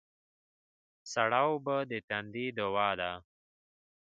سړه اوبه د تندې دوا ده